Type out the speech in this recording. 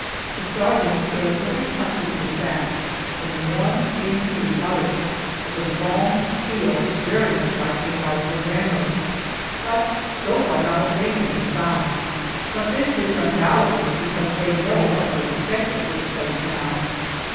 The sergeant carefully punches the sacks from one end to the other with a long steel very much like a rifle rammer; but so far not a thing has been found, but this is undoubtedly because they know what to expect at this place now.